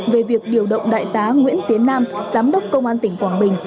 về việc điều động đại tá nguyễn tiến nam giám đốc công an tỉnh quảng bình